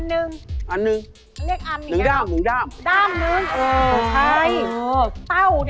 นมครับ